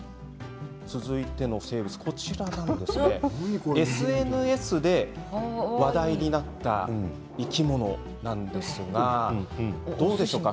続いてＳＮＳで話題になった生き物なんですがどうでしょうか。